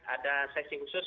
ada sesi khusus